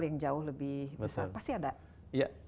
yang jauh lebih besar pasti ada